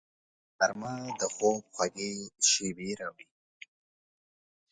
غرمه د خوب خوږې شېبې راوړي